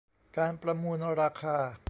การประมูลราคา